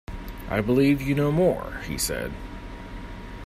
"I believe you know more," he said.